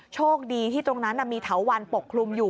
โชคดีที่ตรงนั้นมีเถาวันปกคลุมอยู่